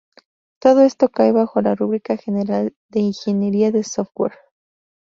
Todo esto cae bajo la rúbrica general de ingeniería de software.